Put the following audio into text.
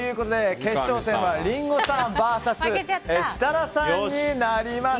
決勝戦はリンゴさんＶＳ設楽さんです。